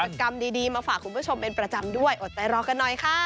และเราจะมีกิจกรรมดีมาฝากคุณผู้ชมเป็นประจำด้วยอดใจรอกันหน่อยค่ะ